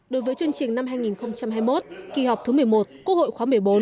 đối với chương trình năm hai nghìn hai mươi một kỳ họp thứ một mươi một quốc hội khóa một mươi bốn